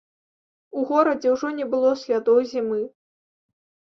У горадзе ўжо не было слядоў зімы.